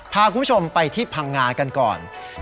พาคุณผู้ชมไปที่พังงากันก่อน